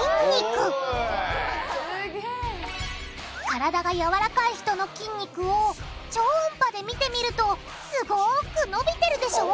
からだがやわらかい人の筋肉を超音波で見てみるとすごくのびてるでしょ？